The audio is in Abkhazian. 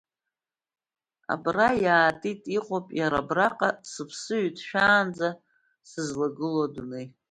Абра иаатит, иҟоуп иара абраҟа, сыԥсы ҩыҭшәаанӡа сызлагылоу адунеи.